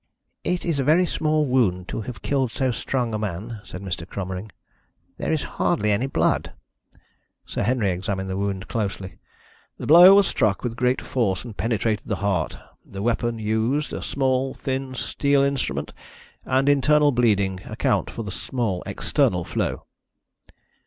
"It is a very small wound to have killed so strong a man," said Mr. Cromering. "There is hardly any blood." Sir Henry examined the wound closely. "The blow was struck with great force, and penetrated the heart. The weapon used a small, thin, steel instrument and internal bleeding, account for the small external flow."